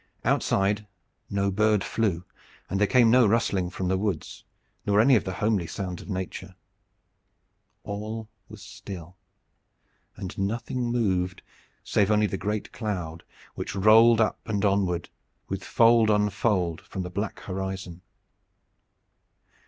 Outside no bird flew, and there came no rustling from the woods, nor any of the homely sounds of Nature. All was still, and nothing moved, save only the great cloud which rolled up and onward, with fold on fold from the black horizon.